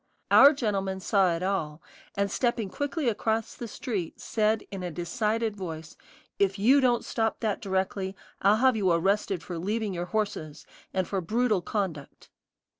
Our gentleman saw it all, and stepping quickly across the street, said in a decided voice: "If you don't stop that directly, I'll have you arrested for leaving your horses, and for brutal conduct."